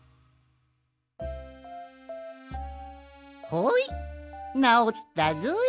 ほいなおったぞい。